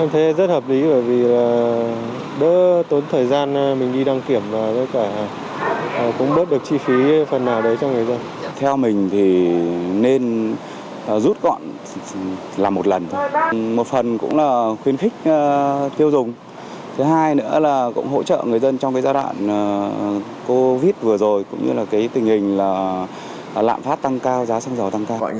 trong giai đoạn covid vừa rồi tình hình lạm phát tăng cao giá xăng dò tăng cao